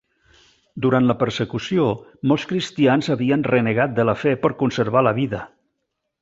Durant la persecució, molts cristians havien renegat de la fe per conservar la vida.